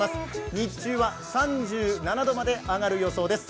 日中は３７度まで上がる予想です。